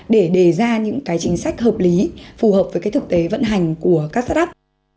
để đề ra những chính sách hợp lý phù hợp với thực tế vận hành của các startup